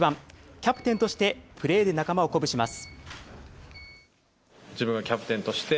キャプテンとしてプレーで仲間を鼓舞します。